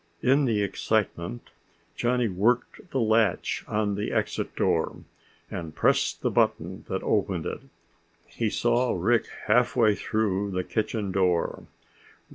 In the excitement Johnny worked the latch on the exit door, and pressed the button that opened it. He saw Rick half way through the kitchen door.